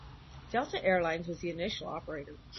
Delta Air Lines was the initial operator.